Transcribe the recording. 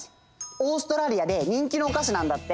オーストラリアで人気のおかしなんだって！